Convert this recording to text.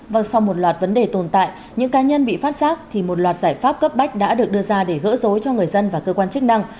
vâng sau một loạt vấn đề tồn tại những cá nhân bị phát giác thì một loạt giải pháp cấp bách đã được đưa ra để gỡ dối cho người dân và cơ quan chức năng